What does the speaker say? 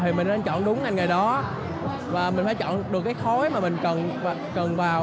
thì mình nên chọn đúng ngành nghề đó và mình phải chọn được cái khói mà mình cần vào